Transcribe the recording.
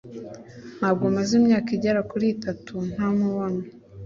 Ntabwo maze imyaka igera kuri itatu ntamubona.